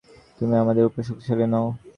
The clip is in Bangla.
তুমি আমাদের উপর শক্তিশালী নও।